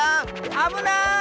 あぶない！